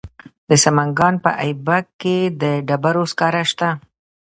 د سمنګان په ایبک کې د ډبرو سکاره شته.